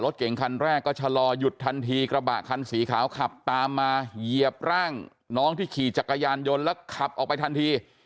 เก่งคันแรกก็ชะลอหยุดทันทีกระบะคันสีขาวขับตามมาเหยียบร่างน้องที่ขี่จักรยานยนต์แล้วขับออกไปทันที